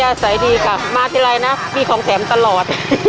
อาศัยาศัยดีกว่ามาที่ใร่นะมีของแถมตลอด